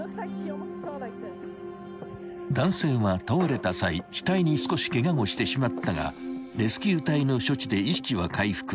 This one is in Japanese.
［男性は倒れた際額に少しケガをしてしまったがレスキュー隊の処置で意識は回復］